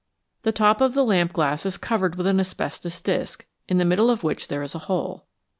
The top of the lamp glass is covered with an asbestos disc, in the middle of which there is a hole.